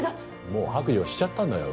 もう白状しちゃったんだよ